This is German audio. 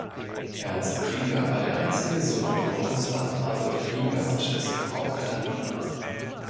Ernst Krieger war der einzige Sohn von Gustav Adolph Krieger und dessen Frau Katharina.